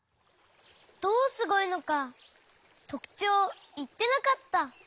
どうすごいのかとくちょうをいってなかった。